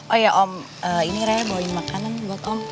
oh iya om ini raya bawain makanan buat om